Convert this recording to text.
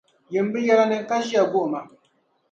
Yim bɛ yɛla ni, ka ʒiya guhima.